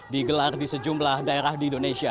digelar di sejumlah daerah di indonesia